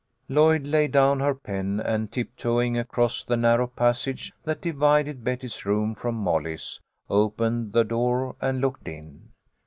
Lloyd laid down her pen, and, tiptoeing across the narrow passage that divided Betty's room from Molly's, opened the door and looked in.